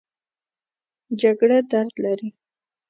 جګړه درد لري